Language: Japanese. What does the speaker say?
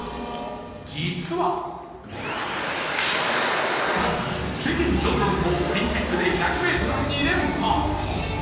実は北京、ロンドンとオリンピックで１００ｍ２連覇。